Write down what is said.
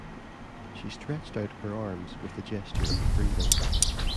She stretched out her arms with a gesture of freedom.